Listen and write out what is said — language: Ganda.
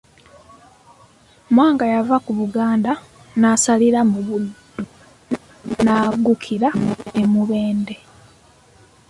Mwanga yava ku Buganda n'asalira mu Buddu n'aggukira e Mubende.